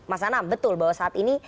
mas anam betul bahwa saat ini